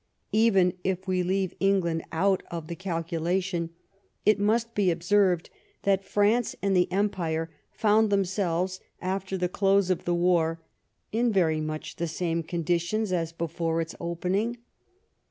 Even if we leave England out of the calculation, it must be observed that France and the empire found themselves after the close of the war in very much the same condition as before its opening.